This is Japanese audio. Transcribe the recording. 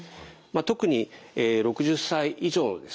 特に６０歳以上のですね